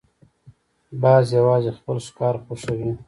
باز یوازې خپل ښکار خوښوي